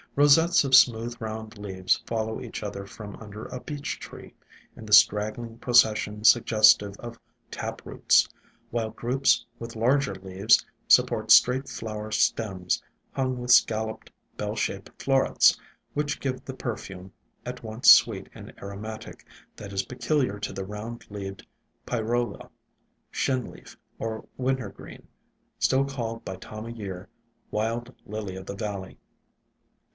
Rosettes of smooth ^ AjU round leaves follow WILD BLUE PHLOX each other from under a Beech tree, in the strag gling procession suggestive of tap roots, while groups with larger leaves support straight flower stems hung with scalloped, bell shaped florets, which give the perfume, at once sweet and aromatic, that is peculiar to the Round leaved Pyrola, Shinleaf or Wintergreen, still called by Time o' Year Wild Lily of the Valley.